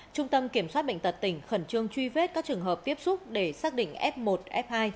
trung tâm kiểm soát bệnh tật tỉnh khẩn trương truy vết các trường hợp tiếp xúc để xác định f một f hai